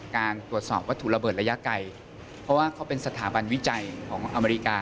การตรวจสอบวัตถุระเบิดระยะไกลเพราะว่าเขาเป็นสถาบันวิจัยของอเมริกา